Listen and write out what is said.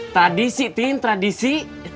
tradisi tin tradisi